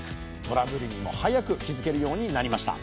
トラブルにも早く気付けるようになりました。